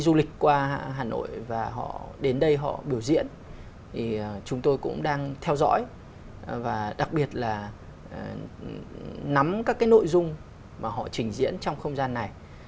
du lịch qua hà nội và họ đến đây họ biểu diễn thì chúng tôi cũng đang theo dõi và đặc biệt là nắm các cái nội dung mà họ trình diễn trong không gian này